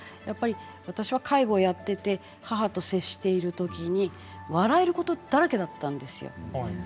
私は介護をやっていて母親と接しているときに笑えることだらけだったんですよ